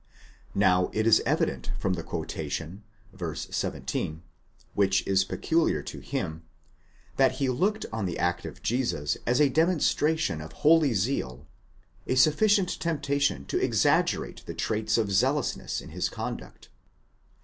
Now it is evident from the quotation v. 17, which is peculiar to him, that he looked on the act of Jesus as a demonstra tion of holy zeal—a sufficient temptation to exaggerate the traits of zealous ness in his conduct.